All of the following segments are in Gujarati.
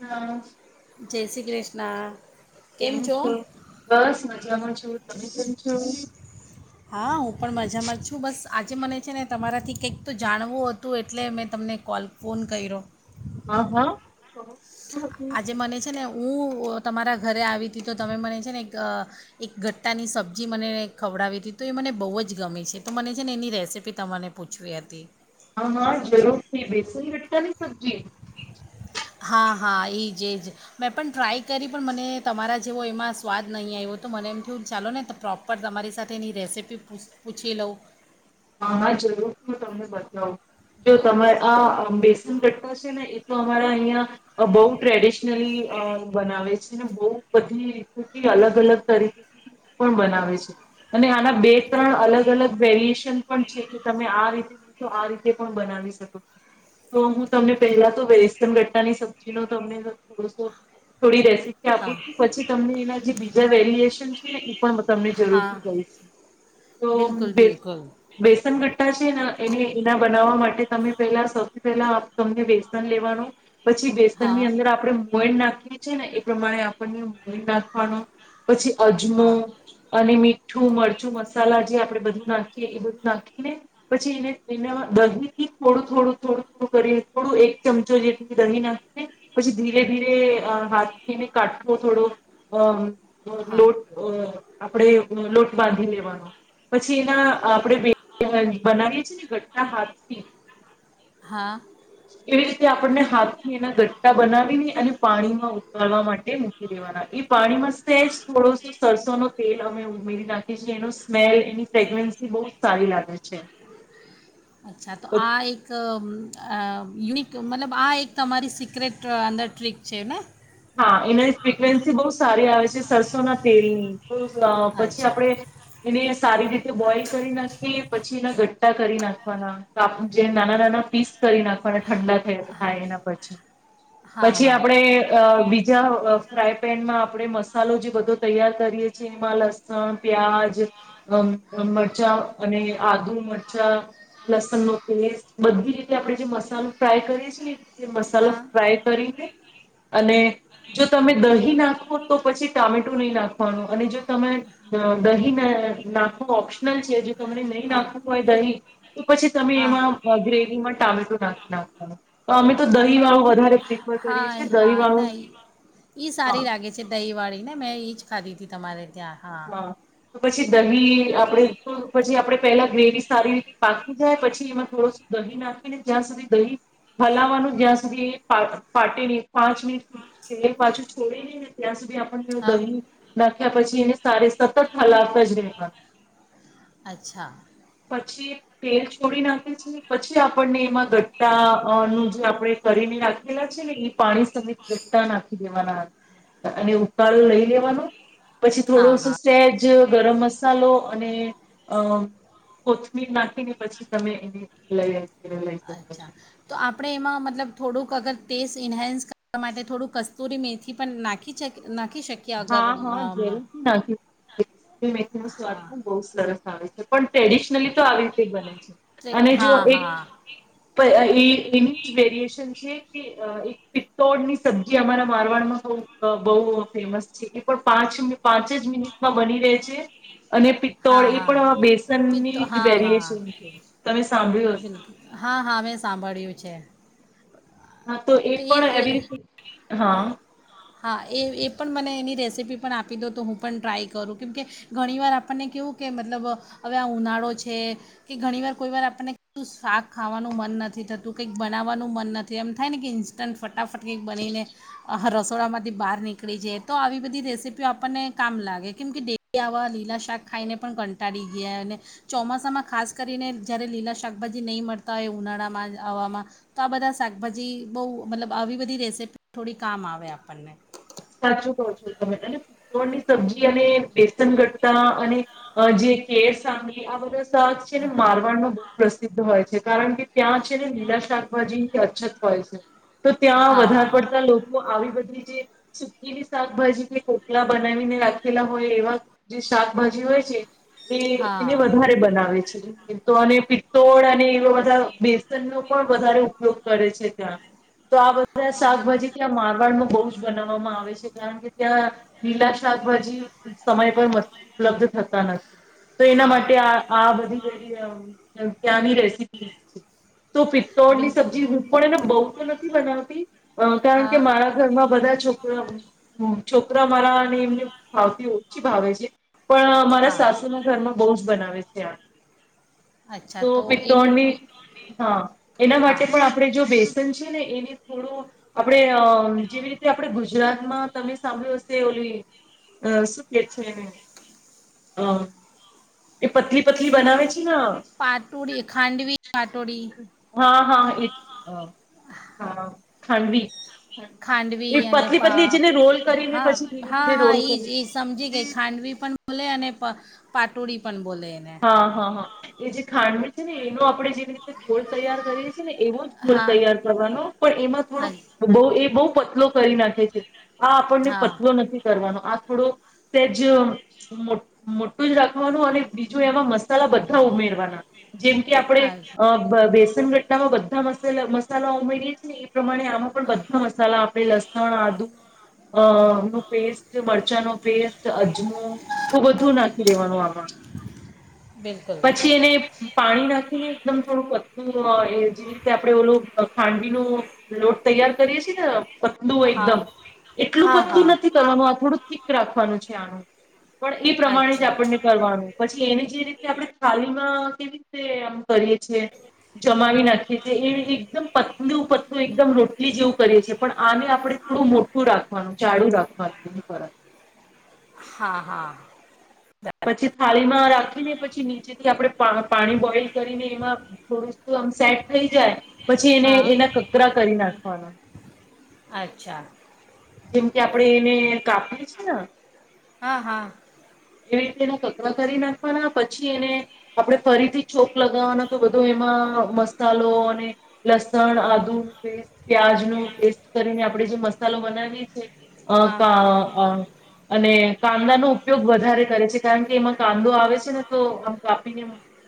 હમ્મ. જય શ્રી કૃષ્ણ કેમ છો? બસ મજામાં છો તમે કેમ છો હા હું પણ મજામાં જ છું. બસ આજે મને છે ને તમારાથી કંઈક તો જાણવું હતું એટલે મેં તમને કોલ ફોન કર્યો. હા હા. આજે હા મને છે ને હું તમારા ઘરે આવી તી તો તમે મને છે ને એક એક ગટ્ટાની સબ્જી મને ખવડાવી તી તો એ મને બહુ જ ગમે છે તો મને છે ને એની રેસીપી તમારે પૂછવી હતી. હા હા જરૂર બેસન લટા ની સબ્જી? હા હા એ જ એ જ મેં પણ ટ્રાય કરી પણ મને તમારા જેવો એમાં સ્વાદ નઈ આવ્યો તો મને એમ થયું ચાલો ને તો પ્રોપર તમારી સાથે એની રેસીપી પૂછી લઉં. હા હા જરૂર તમને બતાલાવ. જો તમા આ બેસન ગટ્ટા છે ને એ તો અમારા અહિયાં બવ ટ્રેડિશ લી અ બનાવે છ બવ બધી અલગ અલગ તરીકે પણ બનાવે છે અને આના બે ત્રણ અલગ અલગ વેરિએેશન પણ છે કે તમે આ રીતે ન તો આ રીતે પણ બનાવી શકો છો. તો હું તમને પહેલા તો બેસન ગટ્ટાની સબ્જી નો તમને થોડોસો થોડી રે આપું હા છું પછી તમને એના જે બી જે વેલ્યુએશન છે ને પણ તમને હા જરૂરથી કહીશ. તો બિલકુલ બે બિલકુલ ગટ્ટા છે ને એને એના બનાવવા માટે તમે પેલા સૌથી પહેલા તમને બેસન લેવાનુ પછી બેસન ની હા અંદર આપડે [unintelligible] નાખ છે ને એ પ્રમાણે આપણને ભરી નાખવાનો પછી અજમો હા અને મી મીઠું, મરચું, મસાલા જે આપડે બધું નાખીએ એ બધ નાખીને પછી એને એના દહી થી થોડું થોડું થોડું થોડું કરીને થોડું એક ચમચો જેટલી દહી નાખીને પછી ધીરે ધીરે હાથ થઈને કાઠો થોડો અ થોડોક હા લોટ અ આપણે લોટ બાંધી લેવાનો પછી એના આપડે બનાવીએ છીએ ને ગટ્ટા હાથથી હા. એવી રીતે આપણને હાથ થી એના ગટ્ટા બનાવીને અને પાણીમાં ઉકાળવા માટે મૂકી દેવાના. એ પાણીમાં થોડોસો સરસો નો તેલ અમે ઉમેરી નાખી છીએ એનું સ્મેલ એની ફ્રેગ્રેન્સ બહુ સારી લાગે છે. અચ્છા તો આ એક અ યુનિક મતલબ આ એક તમારી સિક્રેટ અંદર ટ્રીક છે ને? હા એના ફ્રિકવેન્સી બવ સારી આવે સરસો ના તેલની. પછી અચ્છા આપણેે એને સારી રીતે બોઈલ કરી નાખી પછી એના ગટ ટ્ટા કરી નાખવાના કાપ જે નાના નાના પીસ કરી નાખવાના ઠંડા થ થાય એના પછી. હા પછી હા આપડે અ બીજા અ ફ્રાય પેનમાં આપણે મસાલા નો જે બધો તૈયાર કરીએ છીએ. એમાં લસણ, પ્યાજ, મરચાં અને આદુ, મરચા, લસણ નો પેસ્ટ બધી રીતે આપણે જે મસાલો ફ્રાય કરીએ છે ને તે મસાલો હા ફ્રાય કરીને અને જો તમે દહીં નાખો તો પછી ટામેટું નહીં નાખવાનું અને જો તમે દહી ને નાખું ઓપ્શનલ છે તને નહીં હા નાખવું હોય દહીં તો પછી તમે હા એમાં ગ્રેવીમાં ટામેટો નાખી નાખ તમે તો અમે તો હા દહીં પણ વાળું વધારે પ્રીફર હા કરીશ હા નઈ, ઈ સારી લાગે છે દહી વાડી ને મે ઇજ ખાધી તી તમારે ત્યા, હા. તો પછી દહીં આપણે પછી આપે પેલા ગ્રેવી સારી રીતે પાકી જાય પછી એમાં થોડુંક દહીં નાખીને જ્યાં સુધી દહીં હલાવાનું જ્યાં સુધી પાટે પાટે નહી પાંચ મિનિટ સુધી પાછું છોડી નઈ ને ત્યાં સુધી આ હા દહી, ના ત્યા પછી એને તારે સતત હલાવતા જ રહેવાનું. અચ્છા. પછી તેલ છોડી નાખે છે પછી આપણને એમાં ગટ્ટા નું અ જે આપણે કરીને રાખેલા છે ને એ પાણી સહિત ગટ્ટા નાખી દેવાના અને ઉકાલ લઈ લેવાનો પછી હા થોડું શું હા સહેજ જે ગરમ મસાલો અને અ કોથમીર નાખીને પછી તમે એને લઈ લે લઈ લઈ શકો અચ્છા, છો. તો આપણે એમાં મતલબ થોડુંક અગર ટેસ્ટ ઇન્હન્સ કરવા માટે થોડું કસ્તૂરી મેથી પણ નાખી છે કે? હા હા જરૂર થી નાખી શકીયે મેથીનો સ્વાદ હા પણ બહુ સરસ આવે છે પણ ટ્રેડિશનલી તો આવી રીતે બને છે તે અને જો હા એક હા એની જ વેરિએશન છે. એક પિત્તોડ ની સબ્જી અમારા મારવાડમાં બ બહુ ફેમસ છે એ પણ પાંચ પાંચ જ મિનિટમાં બની રહે છે. અને હા પિત્તોળ એ હા પણ પિત્તો બેસનની જ હા હા વેરિએેશન છે તમે સાંભળ્યું હશે. બિલકુલ હા હા મેં સાંભળ્યું છે હા તો એ પણ એવી રીત હા એ એ પણ મને ની રેસીપી પણ આપી દો તો હું પણ ટ્રાય કરું કેમ કે ઘણીવાર આપણને કેવું કે મતલબ હવે આ ઉનાળો છે કે ઘણીવાર કોઈ વાર આપણને શાક ખાવાનું મન નથી થતું કંઈક બનાવવાનું મન નથી એમ થાયને કે ઇન્સ્ટ ફટ ફટાફટથી બનીને. રસોડામાંથી બહાર નીકળી જઇયે. તો આવી બધી રેસીપીઓ આપણને કામ લાગે કેમ કે ડેલી આવા લીલા શાક ખાઈને પણ કંટાળી ગયા અને ચોમાસામાં ખાસ કરીને જ્યારે લીલા શાકભાજી નહીં મળતા હોય ઉનાળામાં હવામાં તો આ બધા શાકભાજી બહુ મતલબ આવી બધી રેસીપી થોડી કામ આવે આપણને. સાચું કહો છો તમે અને પિત્તોળની સબ્જી અને બેસન ગટતા અને જે કેળ સાંગરી આ બધા શાક છે ને મારવાડમાં પ્રસિદ્ધ હોય છે કારણ કે ત્યાં છે ને લીલા શાકભાજીની અછત હોય છે. તો ત્યાં વધારે હા પડતા લોકો આવી બધી જે સુકીની શાકભાજી કે કોકલા બનાવીને રાખેલા હોય એવા જે શાકભાજી હોય છે એ એને હા વધારે બનાવે છે. તો પિત્તોળ અને એવા બધા બેસન નો પણ વધારે ઉપયોગ કરે છે ત્યાં. તો આ બધા બિલ શાકભાજી ત્યાં મારવાડ નું બવ જ બનાવામાં આવે છેકારણ કે ત્યાં લીલા શાકભાજી સમય પર ઉપલબ્ધ થતા ન તો એના માટે હા આ આ બધી [unintelligible] ત્યાંની રેસીપી છે. તો પિત્તોળ ની બિલકુલ સબ્જી હું પણ એને બહુ તો નથી બનાવતી અ કારણ કે હા મારા ઘરના બધા છોક બધા મારા અને એમને ભાવતી ઓછી ભાવે છે. પણ મારા હા સાસુ ના ઘરમાં બહુ જ બનાવે જ અચ્છા તો એનું પિત્તોણની, પણ હા એના માટે હા પણ આપણે જો બેસન છે ને એને થોડું આપડે અ જેવી રીત ગુજરાતમાં તમે સાંભળ્યું હશે ઓલી અ શું કે છે એને અ પતલી પતલી બનાવે છે હા, પાટોડી ખાંડવી પાટોડી હા હા એ ખાંડવી. ખાંડવી એ ઈ અને પતલી પતલી પાપ જેને રોલ કરીને હા પછી ધીરે હા ધીરે હા રોલ ઈજ કરે ઈજ સમજી ગઈ ખાંડવી પણ મલે અને પ પાટોડી પણ. બોલે એને હા હા હા. એ જે ખાંડમી છે ને એનો આપણે જે રીતે ગોલ તૈયાર કરીએ છે ને એવો જ ફૂલ હા તૈયાર કરવાનો પણ એમાં થોડુંક આજ બવ એ બવ પતલો કરી નાખે છે. આ આપણને હા પતલો નથી કરવાનો આ થોડું તેજ મોટ મોટું જ રાખવાનું અને બીજું એમાં મસાલા બધા ઉમેરવાના. જેમ કે આપડે આજ અ બ બેસનગટ્ટામાં બધાના મસાલા ઉમેરીયે છીએ એ પ્રમાણે આમાં પણ બધા મસાલા આપડે લસણ, આદુ, અ નો પેસ્ટ, મરચાં નો પેસ્ટ, અજમો એ બધું નાખી દેવાનું આમાં બિલકુલ પછી એને પાણી માં નાખીને એકદમ થોડું પતું અ એ જે રીતે આપડે ઓલું ખાંડવી નો લોટ તૈયાર કરીએ છીએ ને પટલું હોય હા એકદમ એટલું હા પતલુ હા નથી કરવાનું આ થોડું થીક રાખવાનું છે આનું. પણ એ પ્રમાણે જ અચ્છા આપણને કરવાનું. જે રીતે આપ. [unintelligible] કેવી રીતે આમ કરીએ છેએ જમાવી નાખીએ છેએ એ એકદમ પતલું પતલું એકદમ રોટલી જેવું કરીએ છે પણ આને આપણે થોડું મોટું રાખવાનું જાડું રાખવાનું એ પરત. હા હા. પછી થાળી માં રાખીને પછી નીચેથી આપડે પા પાણી બોઈલ કરીને એમાં થોડુંસુ આમ સેટ થઈ જાય. પછી એને હા એના કકરા કરી નાખવાના. અચ્છા. જેમ કે આપણેે એને કાપીએ છે ને. હા હા. એવી રીતે એ કકડા કરી નાખવાના પછી એને આપણે ફરીથી જોક લગાવવાના તો બધો એમાં મસાલો અને લસણ આદુ પેસ્ટ પ્યાજનો પેસ્ટ કરીને આપણે જે મસાલો બનાવીએ છીએ અ હા ક હા અ અને કાંદા નો ઉપયોગ વધ વધારે કરે છે કારણ કે એમાં કાંદો આવે છે ને તો આમ કાપીને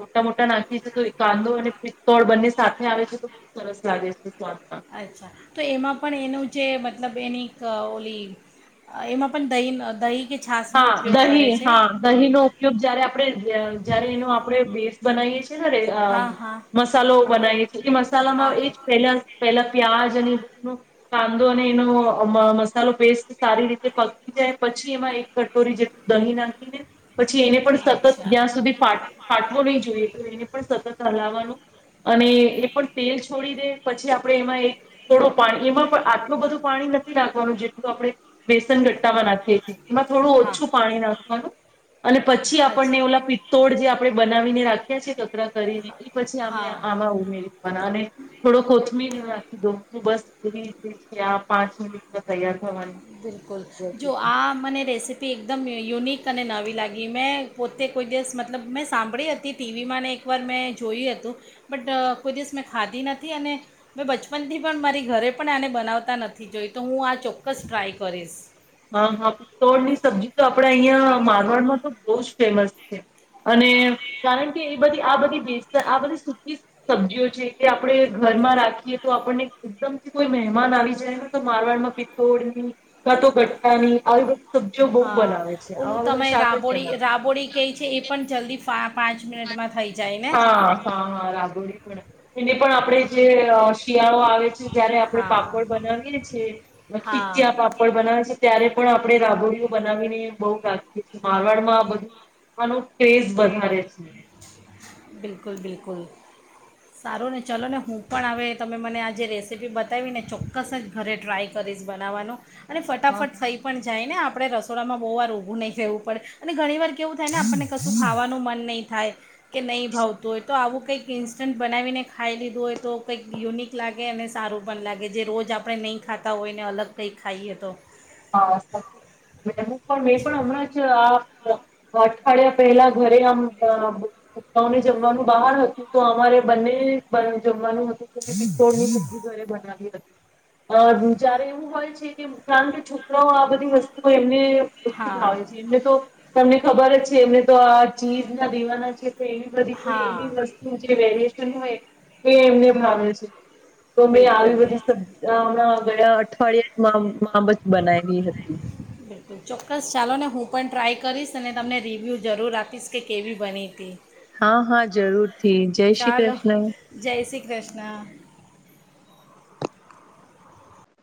મોટા-મોટા નાખીએ છીએ તો કાંદો અને પિત્તોળ બંને સાથે આવે છે તો બહુ સરસ લાગે છે. સ્વાદમાં અચ્છા તો એમાં પણ એનું જે મત મતલબ એની ક ઓલી એમાં પણ દહીં દહી. હા દહીં હા દહીં નો ઉપયોગ જયારે આપણે જ જ્યારે એનો આપડે ભેસ બનાઈએ છી [unintelligible] અહ હા હા મસાલો બનાઈએ ઈ હા મસાલામાં એજ પહેલા, પહેલા પ્યાજ અને કાંદો ને એનો અહ મસાલો પેસ્ટ સારી રીતે પકી જાય પછી એમાં એક કટોરી જેટલું દહીં નાખીને પછ છી એને પણ સતત અચ્છા ત્યાં સુધી ફાટ ફાટવો નહી જોઈએ તો એને પણ સતત હલાવવાનું. અને એ પણ તેલ છોડી દે પછી આપડે એમાં એક થોડો પાણી એમાં પણ આટલું બધું પાણી નથી રાખવાનું જેટલું આપણે બેસ સન ગટ્ટા બનાતી નાખીએ એમાં થોડું હા ઓછું પાણી નાખવાનું. અને પછી આપણને અચ્છા ઓલા પિત્તોળ જે આપણેે બનાવીને રાખ્યા છે તો ત્ર કરીને કે પછી અમે હા આમાં ઉમેરી [unintelligible] અને થોડો કોથમીર [unintelligible] દો બસ એવી રીતે છે આ પાંચ મિનિટમાં તૈયાર. થવાની બિલકુલ, જો રેસીપી આ મને રેસી પી એકદમ યુનિક અને નવી લાગી, મેં પોતે કોઈ દિવસ મતલબ મેં સાંભળી હતી ટીવીમાં ને એકવાર મેં જોયું હતું બટ અહ કોઈ દિવસ મેં ખાધી નથી અને મેં બચપનથી પણ મારી ઘરે પણ આને બનાવતા નથી જોઈ તો હું આ ચોક્કસ ટ્રાય કરીશ. હા હા પિત્તોળ ની સબ્જી તો આપડે અહિયાં મારવણમાં તો બવ જ ફેમસ છે. અને કારણ કે બધી આ બધી બેસ્ટ આ બધી સુકી સબ્જીઓ છે કે આપણે ઘરમાં રાખીએ તો આપણને એકદમથી કોઈ મહેમાન આવી જાય તો મારવાડમાં પિત્તોળ ની કા તો અને આવી રીત હા ઓલું તમે જ રાબોડી બનાવે રાબોડી કઈ છે એ પણ જલ્દી પા પાચ હા હા હા રાબડી પણ આપડે જે શિયાળો આવ છે જ્યારે આપણે હા પાપડ બનાવીએ છીએ ને હા ખીચયા પાપડ બનાવી છેએ ત્યારે પણ આપણે રાબોડીઓ બનાવીને બવ રાખીએ છી. મારવાડમાં આ બધું આનો ક્રેઝ વધારે છે. બિલકુલ બિલકુલ સારું ને ચલો ને હું પણ હવે તમે મને આ જે રેસીપી બતાવીને ચોક્કસ જ ઘરે ટ્રાય કરીશ બનાવવાનો અને હા ફટાફટ હા. થઈ પણ જાય ને આપ આપણે રસોડામાં બહુવાર ઊભૂ નહીં થેવું પડે અને ઘણી વાર કેવું થાયને આપણને કશું ખાવાનું મન નહીં થાય કે નહીં ભાવતું હોય તો આવું કંઈક ઇન્સ્ટન્ટ બનાવીને ખાઈ લીધું હોય તો કંઈક યુનિક લાગે અને સારું પણ લાગે જે રોજ આપણે નહીં ખાતા હોય ને અલગ કંઈક ખાઈએ તો. [unintelligible] ને એમનું પણ મેં પણ હમણાં જ આ અઠવાડિયા પહેલા ઘરે આમ અમે જમવાનું બહાર હતું તો અમારે બંને બ જમવાનું હતું. મે પિત્તોળની સબ્જી ઘરે બનાવી હ અ જારે એવું હોય છે કે. [unintelligible] છોકરાઓ આ બધી વસ્તુઓ એમ ને ઓછી હા ભાવ છે એમને તો તમને ખબર જ છે એમને તો આ ચીજના દીવાના છે. એવી બધી કોઈ હા એવી વસ્તુ જે વેરી હોય એ એમને ભાવે છે. તો મે આવી બિલકુલ બધી સબ્ઝ અ હમણાં ગયા અઠવાડિયે જ બનાવી હતી બિલકુલ ચોક્કસ ચાલો ને હું પણ ટ્રાય કરીશ અને તમને રિવ્યૂ જરૂર આપીશ કે કેવી બની તી. હા હા જરૂરથી જય શ્રી ચાલો કૃષ્ણ. જય શ્રી કૃષ્ણ